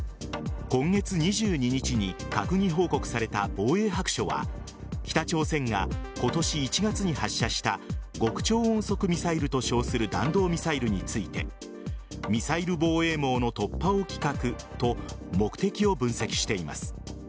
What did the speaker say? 今月２２日に閣議報告された防衛白書は北朝鮮が今年１月に発射した極超音速ミサイルと称する弾道ミサイルについてミサイル防衛網の突破を企画と目的を分析しています。